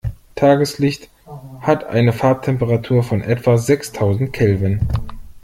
Tageslicht hat eine Farbtemperatur von etwa sechstausend Kelvin.